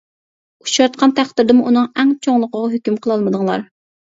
ئۇچراتقان تەقدىردىمۇ ئۇنىڭ ئەڭ چوڭلۇقىغا ھۆكۈم قىلالمىدىڭلار.